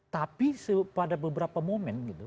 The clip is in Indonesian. tapi pada beberapa momen gitu